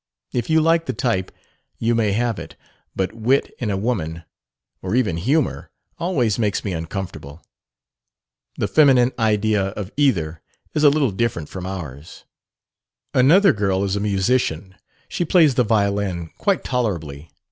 If you like the type you may have it; but wit in a woman, or even humor, always makes me uncomfortable. The feminine idea of either is a little different from ours. "Another girl is a musician. She plays the violin quite tolerably.